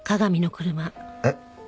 えっ？